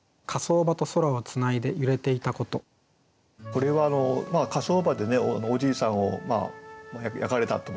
これは火葬場でねおじいさんを焼かれたと思うんですね。